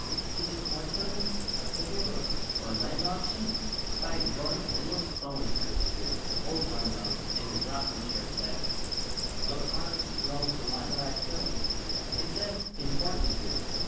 "Is it court summons, a picnic, or a land auction? By gorry, it looks phony!" Old Tom Young, in his rocking chair, said: "A card to go to Lilac Hill. It says 'important.'